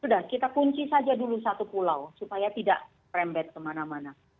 sudah kita kunci saja dulu satu pulau supaya tidak rembet kemana mana